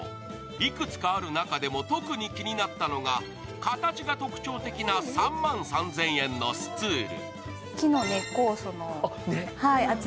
幾つかある中でも、特に気になったのが形が特徴的な３万３０００円のスツール。